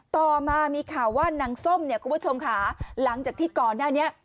ต่อมามีข่าวว่านางส้มเนี่ยคุณผู้ชมค่ะหลังจากที่ก่อนหน้านี้